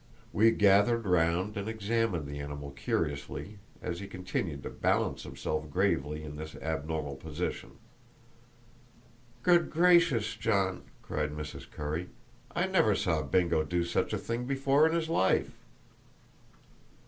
We gathered round and examined the animal curiously, as he continued to balance himself gravely in his abnormal position. "Good gracious, John," cried Mrs. Currie, "I never saw Bingo do such a thing before in his life!"